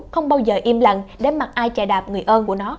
không bao giờ im lặng để mặt ai đạp người ơn của nó